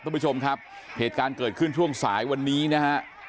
คุณผู้ชมครับเหตุการณ์เกิดขึ้นช่วงสายวันนี้นะฮะ